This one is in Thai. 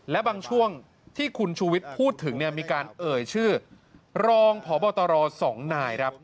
และบางช่วงที่คุณชูวิทย์พูดถึงมีการเอ่ยชื่อรองพบตร๒นายครับ